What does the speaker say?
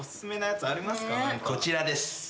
こちらです。